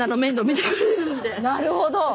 なるほど！